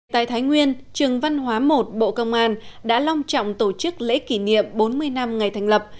tại thái nguyên trường văn hóa một bộ công an đã long trọng tổ chức lễ kỷ niệm bốn mươi năm ngày thành lập